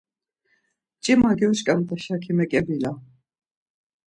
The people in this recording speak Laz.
Mç̌ima gyoç̌ǩamt̆a şaki meǩebila.